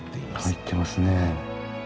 入ってますね。